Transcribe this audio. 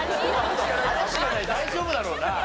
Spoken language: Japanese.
大丈夫だろうな？